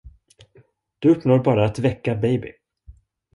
Du uppnår bara att väcka Baby.